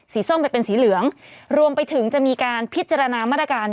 ส้มไปเป็นสีเหลืองรวมไปถึงจะมีการพิจารณามาตรการ